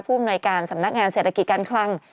อำนวยการสำนักงานเศรษฐกิจการคลัง